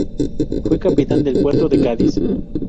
Fue capitán del puerto de Cádiz.